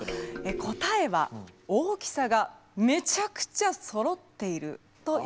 答えは「大きさがめちゃくちゃそろっている」ということです。